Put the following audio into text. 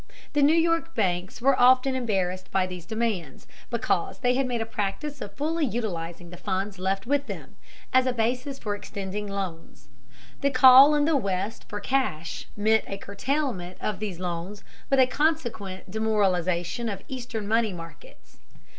The New York banks were often embarrassed by these demands, because they made a practice of fully utilizing the funds left with them, as a basis for extending loans. The call in the West for cash meant a curtailment of these loans with a consequent demoralization of eastern money markets.